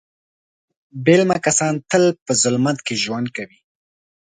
بې علمه کسان تل په ظلمت کې ژوند کوي.